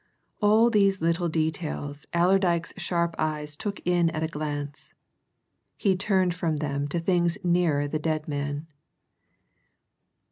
All these little details Allerdyke's sharp eyes took in at a glance; he turned from them to the things nearer the dead man.